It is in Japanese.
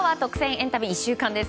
エンタメ１週間です。